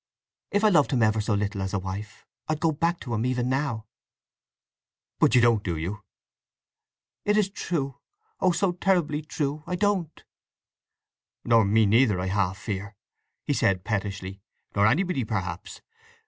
If I loved him ever so little as a wife, I'd go back to him even now." "But you don't, do you?" "It is true—oh so terribly true!—I don't." "Nor me neither, I half fear!" he said pettishly. "Nor anybody perhaps!